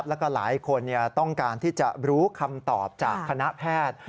แล้วก็หลายคนต้องการที่จะรู้คำตอบจากคณะแพทย์